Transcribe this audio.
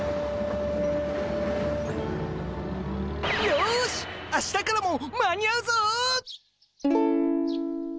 よし明日からも間に合うぞ！